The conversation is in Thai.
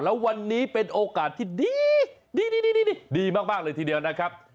แล้ววันนี้เป็นโอกาสที่ดีดีมากเลยทีเดียวนะครับ